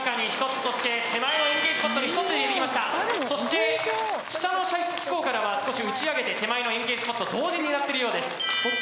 そして下の射出機構からは少し打ち上げて手前のスポット同時に狙ってるようです。